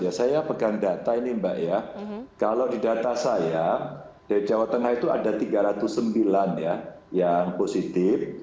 ya saya pegang data ini mbak ya kalau di data saya di jawa tengah itu ada tiga ratus sembilan ya yang positif